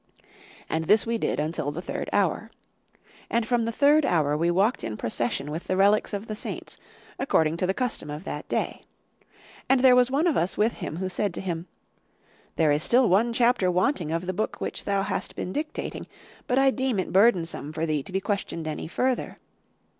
And this we did until the third hour. And from the third hour we walked in procession with the relics of the saints, according to the custom of that day.(5) And there was one of us with him who said to him, 'There is still one chapter wanting of the book which thou hast been dictating, but I deem it burdensome for thee to be questioned any further.